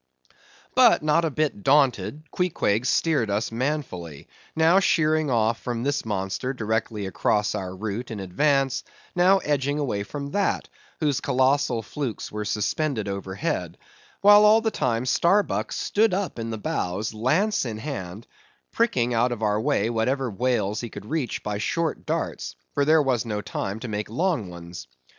But not a bit daunted, Queequeg steered us manfully; now sheering off from this monster directly across our route in advance; now edging away from that, whose colossal flukes were suspended overhead, while all the time, Starbuck stood up in the bows, lance in hand, pricking out of our way whatever whales he could reach by short darts, for there was no time to make long ones.